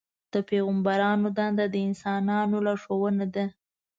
د پیغمبرانو دنده د انسانانو لارښوونه ده.